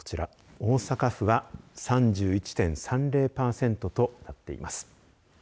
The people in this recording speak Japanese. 大阪府は３１．３０パーセントとなっています。